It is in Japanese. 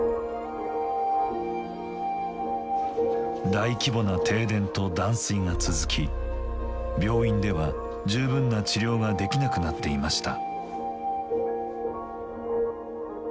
大規模な停電と断水が続き病院では十分な治療ができなくなっていました。